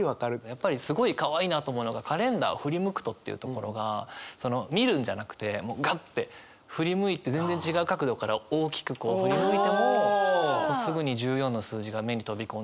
やっぱりすごいかわいいなと思うのが「カレンダーを振り向くと」っていうところがその見るんじゃなくてガッて振り向いて全然違う角度から大きくこう振り向いてもすぐに１４の数字が目に飛び込んで。